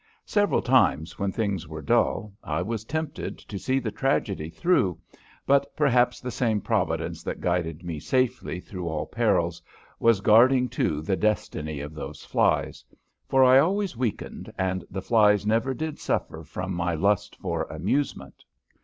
Several times when things were dull I was tempted to see the tragedy through, but perhaps the same Providence that guided me safely through all perils was guarding, too, the destiny of those flies, for I always weakened and the flies never did suffer from my lust for amusement.